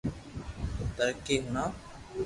توھي ھڻاو